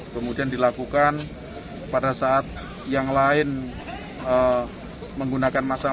kemudian dilakukan pada saat yang lain menggunakan masa